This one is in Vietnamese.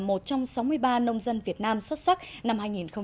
một trong sáu mươi ba nông dân việt nam xuất sắc năm hai nghìn một mươi chín